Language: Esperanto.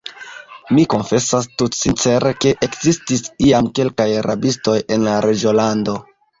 Mi konfesas tutsincere, ke ekzistis iam kelkaj rabistoj en la reĝolando.